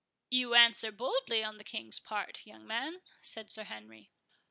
"You answer boldly on the King's part, young man," said Sir Henry.